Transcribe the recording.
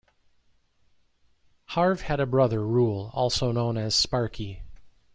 Harve had a brother, Ruel, also known as "Sparkie".